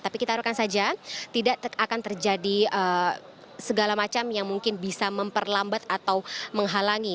tapi kita harapkan saja tidak akan terjadi segala macam yang mungkin bisa memperlambat atau menghalangi